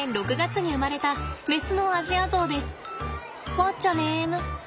ワッチャネーム？